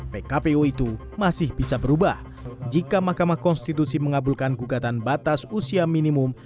pkpu itu masih bisa berubah jika mahkamah konstitusi mengabulkan gugatan batas usia minimum